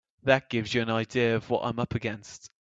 That gives you an idea of what I'm up against.